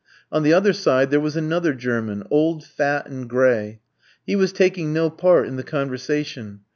On the other side, there was another German, old, fat, and gray. He was taking no part in the conversation.